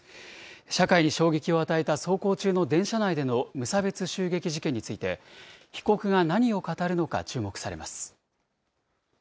社会に衝撃を与えた走行中の電車内での無差別襲撃事件について、被告が何を語るのか注目されます。